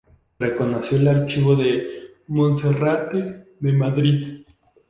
Reconoció el Archivo de Monserrate de Madrid.